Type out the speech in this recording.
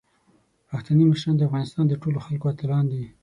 پښتني مشران د افغانستان د ټولو خلکو اتلان دي.